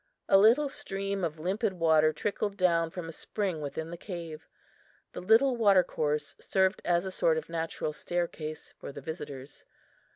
A little stream of limpid water trickled down from a spring within the cave. The little watercourse served as a sort of natural staircase for the visitors.